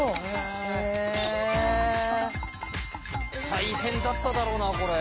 大変だっただろうなこれ。